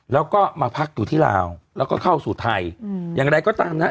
แล้วก็มาพักอยู่ที่ลาวแล้วก็เข้าสู่ไทยอืมอย่างไรก็ตามนะฮะ